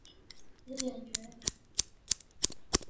屏边厚壳树为紫草科厚壳树属下的一个种。